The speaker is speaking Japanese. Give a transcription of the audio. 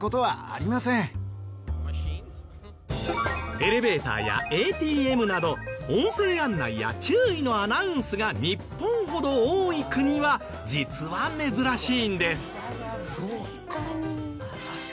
エレベーターやＡＴＭなど音声案内や注意のアナウンスが日本ほど多い国は実は珍しいんです。